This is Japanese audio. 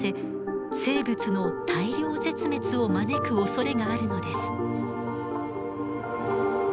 生物の大量絶滅を招くおそれがあるのです。